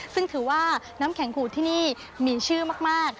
ซึ่งถือว่าน้ำแข็งขูดที่นี่มีชื่อมาก